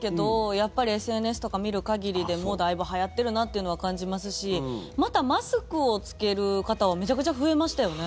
やっぱりＳＮＳとか見る限りでもだいぶはやってるなっていうのは感じますしまたマスクを着ける方はめちゃくちゃ増えましたよね。